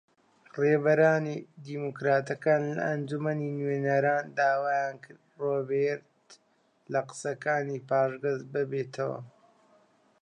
ڕێبەرانی دیموکراتەکان لە ئەنجومەنی نوێنەران داوایان کرد ڕۆبێرت لە قسەکانی پاشگەز ببێتەوە